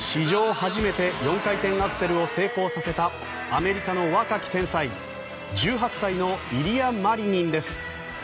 初めて４回転アクセルを成功させたアメリカの若き天才１８歳のイリア・マリニンです。